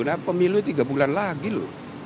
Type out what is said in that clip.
nah pemilu tiga bulan lagi loh